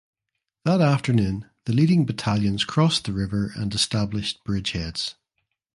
That afternoon the leading battalions crossed the river and established bridgeheads.